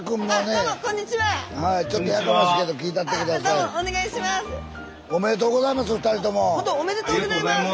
ほんとおめでとうございます。